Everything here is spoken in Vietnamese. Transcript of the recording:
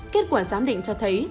kết quả giám định cho thấy